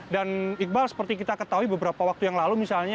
dan iqbal seperti kita ketahui beberapa waktu yang lalu misalnya